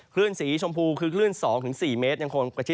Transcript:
คลื่นสีชมพูคือคลื่น๒๔เมตร